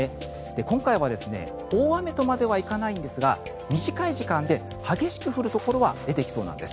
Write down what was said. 今回は大雨とまではいかないんですが短い時間で激しく降るところが出てきそうなんです。